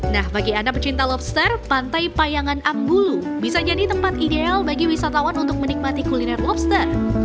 nah bagi anda pecinta lobster pantai payangan ambulu bisa jadi tempat ideal bagi wisatawan untuk menikmati kuliner lobster